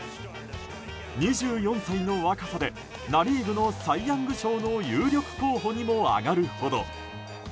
２４歳の若さでナ・リーグのサイ・ヤング賞の有力候補にも挙がるほど。